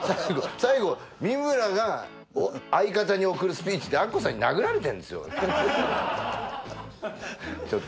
最後三村が相方に贈るスピーチでアッコさんに殴られてんですよ俺。